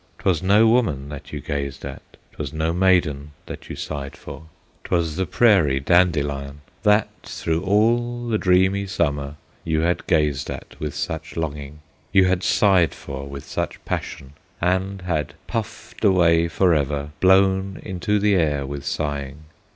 'T was no woman that you gazed at, 'T was no maiden that you sighed for, 'T was the prairie dandelion That through all the dreamy Summer You had gazed at with such longing, You had sighed for with such passion, And had puffed away forever, Blown into the air with sighing.